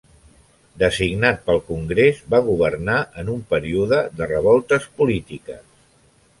Designat pel Congrés, va governar en un període de revoltes polítiques.